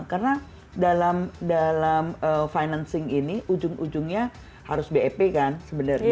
karena dalam dalam ee financing ini ujung ujungnya harus bep kan sebenarnya